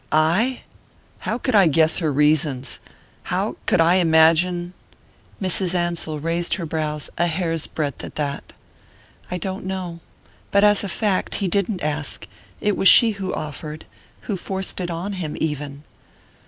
"I? How could I guess her reasons how could I imagine ?" Mrs. Ansell raised her brows a hair's breadth at that. "I don't know. But as a fact, he didn't ask it was she who offered, who forced it on him, even!"